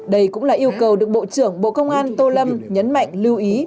đây cũng là yêu cầu được bộ trưởng bộ công an tô lâm nhấn mạnh lưu ý